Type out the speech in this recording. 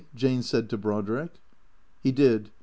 " Jane said to Brodrick. He did.